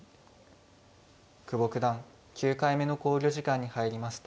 久保九段９回目の考慮時間に入りました。